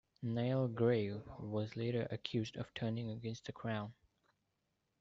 Niall Garve was later accused of turning against the Crown.